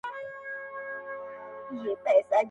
قلندر ته کار مهم د تربیت وو!